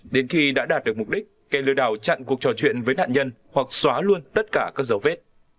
đến khi đã đạt được mục đích kẻ lừa đảo chặn cuộc trò chuyện với nạn nhân hoặc xóa luôn tất cả các dấu vết